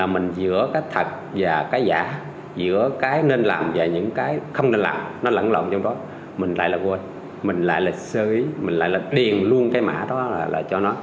mình lại là quên mình lại là sơ ý mình lại là tiền luôn cái mã đó là cho nó